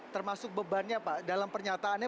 termasuk bebannya pak dalam pernyataannya